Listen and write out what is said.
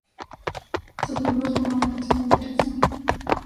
Sus miembros forman el Consejo de Dirección.